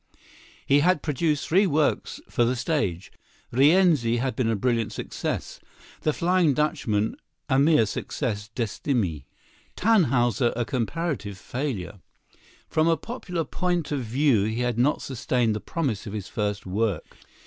He had produced three works for the stage. "Rienzi" had been a brilliant success, "The Flying Dutchman" a mere succès d'estime, "Tannhäuser" a comparative failure. From a popular point of view he had not sustained the promise of his first work.